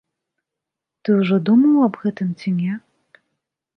Ты ўжо думаў аб гэтым ці не?